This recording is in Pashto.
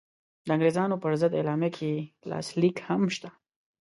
د انګرېزانو پر ضد اعلامیه کې یې لاسلیک هم شته.